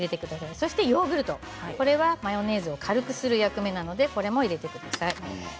そしてヨーグルト、これはマヨネーズを軽くする役目なので入れてください。